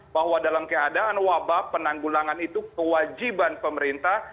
bahwa dalam keadaan wabah penanggulangan itu kewajiban pemerintah